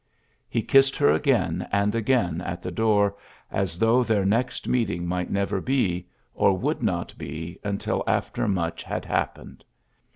He kissed her again and again at the door^ as though their next meet ing might never be, or would not be until after much had happened.